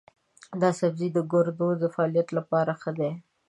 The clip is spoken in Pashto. دا سبزی د ګردو د فعالیت لپاره ښه دی.